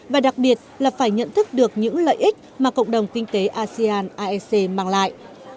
và đặc biệt là phải nhận thức được những lợi ích mà cộng đồng kinh tế asean aec mang lại